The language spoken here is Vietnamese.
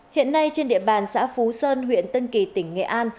hiện nay trên địa bàn xã phú sơn huyện tân kỳ tỉnh nghệ an